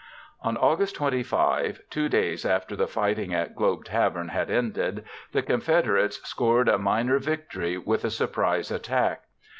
On August 25, 2 days after the fighting at Globe Tavern had ended, the Confederates scored a minor victory with a surprise attack.